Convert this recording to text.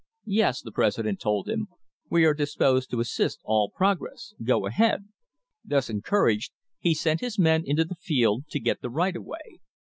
"Yes," the president told him, "we are disposed to assist all prog ress. Go ahead." Thus encouraged, he sent his men into the field to get the right of way.